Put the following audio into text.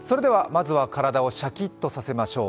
まずは体をシャキッとさせましょう。